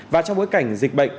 và trong bối cảnh dịch bệnh